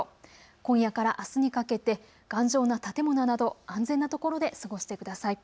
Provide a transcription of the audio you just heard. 今夜からあすにかけて頑丈な建物など安全なところで過ごしてください。